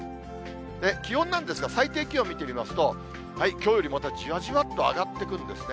気温なんですが、最低気温見てみますと、きょうよりまたじわじわっと、上がってくるんですね。